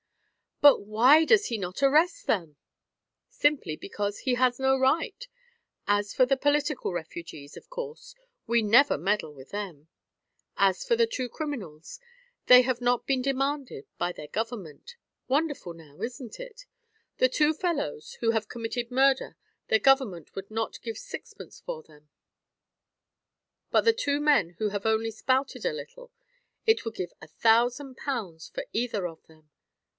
"But why does he not arrest them?' "Simply because he has no right. As for the political refugees, of course, we never meddle with them; as for the two criminals, they have not been demanded by their Government. Wonderful now, isn't it? The two fellows who have committed murder their Government would not give sixpence for them; but the two men who have only spouted a little, it would give a thousand pounds for either of them.